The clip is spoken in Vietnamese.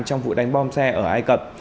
trong vụ đánh bom xe ở ai cập